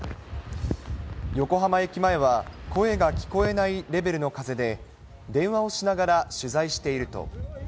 横浜駅前は、声が聞こえないレベルの風で、電話をしながら取材していると。